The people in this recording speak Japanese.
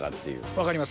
分かります。